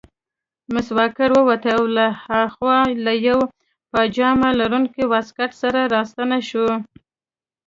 مس واکر ووتله او له هاخوا له یوه پاجامه لرونکي واسکټ سره راستنه شوه.